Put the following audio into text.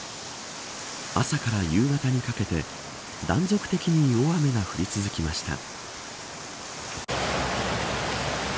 朝から夕方にかけて断続的に大雨が降り続きました。